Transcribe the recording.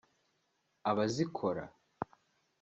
abazikora